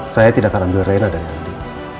saya tidak akan ambil rela dari andi